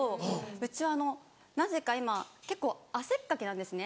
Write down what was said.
うちはなぜか今結構汗っかきなんですね。